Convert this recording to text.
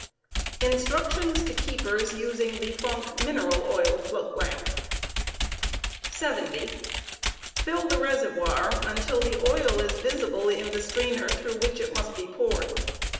Lighting. INSTRUCTIONS TO KEEPERS USING THE FUNOK MINERAL OIL FLOAT LAMP. 70. Fill the reservoir until the oil is visible in the strainer through which it must be poured.